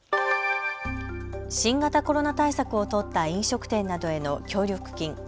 新型コロナ対策を取った飲食店などへの協力金。